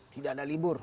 tidak ada libur